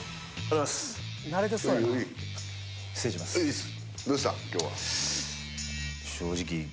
ういっす。